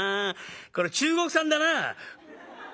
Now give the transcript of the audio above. これ中国産だな」。